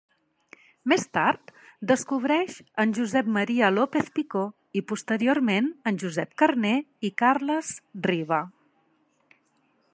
Més tard, descobreix en Josep Maria López-Picó i posteriorment, en Josep Carner i Carles Riba.